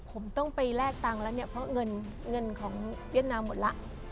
ผมต้องไปแลกตังค์แล้วเนี่ยเพราะเงินเงินของเวียดนามหมดแล้ว